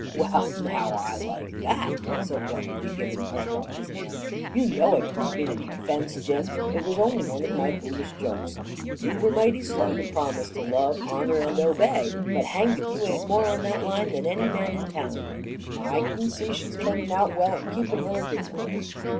"Well, now, I like that," said Watterly, giving Holcroft his hand. "You know I didn't mean any offense, Jim. It was only one of my foolish jokes. You were mighty slow to promise to love, honor, and obey, but hanged if you aint more on that line than any man in town. I can see she's turning out well and keeping her agreement."